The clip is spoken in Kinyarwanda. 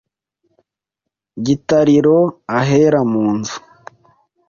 Gitariro ahera mu nzu.